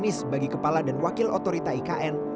untuk menjadi landasan teknis bagi kepala dan wakil otorita ikn